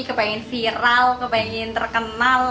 kepingin viral kepingin terkenal